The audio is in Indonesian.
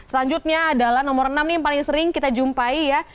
selanjutnya adalah nomor enam nih yang paling sering kita jumpai ya